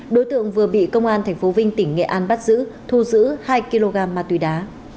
đối tượng vừa bị công an tp vinh tỉnh nghệ an bắt giữ thu giữ hai kg ma túy đá